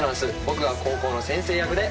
僕が高校の先生役で。